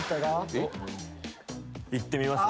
えっ？いってみます？